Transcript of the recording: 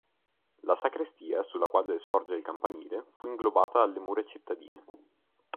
La sacrestia, sulla quale sorge il campanile, fu inglobata alle mura cittadine.